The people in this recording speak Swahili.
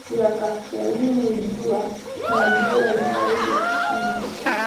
ya kaskazini jua na jua inaweza kukunja